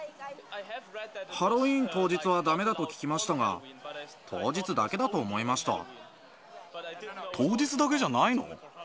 ハロウィーン当日はだめだと聞きましたが、当日だけじゃないの？